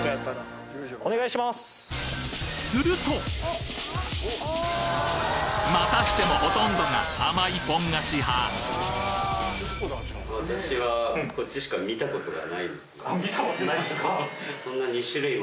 するとまたしてもほとんどが甘いポン菓子派あ見たことないんですか！？